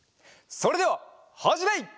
それでははじめい！